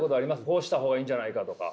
こうした方がいいんじゃないかとか。